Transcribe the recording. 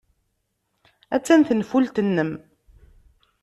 Attan tenfult-nnem.